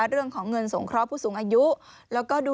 เรื่องของเงินสงครอบผู้สูงอายุ